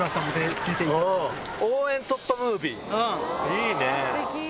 いいね！